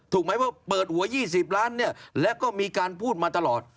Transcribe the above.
ถูกไหมว่าเปิดหัว๒๐ล้านเนี่ยแล้วก็มีการพูดมาตลอด